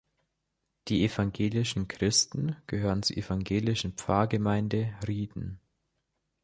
Die evangelischen Christen gehören zur evangelischen Pfarrgemeinde Rieden.